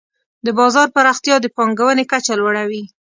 د بازار پراختیا د پانګونې کچه لوړوي.